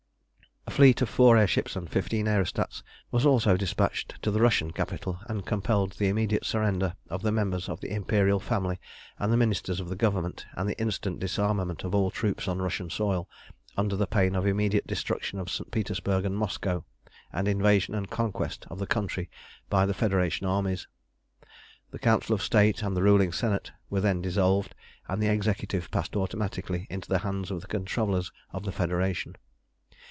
A fleet of four air ships and fifteen aerostats was also despatched to the Russian capital, and compelled the immediate surrender of the members of the Imperial family and the Ministers of the Government, and the instant disarmament of all troops on Russian soil, under pain of immediate destruction of St. Petersburg and Moscow, and invasion and conquest of the country by the Federation armies. The Council of State and the Ruling Senate were then dissolved, and the Executive passed automatically into the hands of the controllers of the Federation.